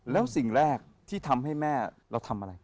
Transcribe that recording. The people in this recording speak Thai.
แล้วสิ่งแรกที่ทำให้แม่เราทำอะไร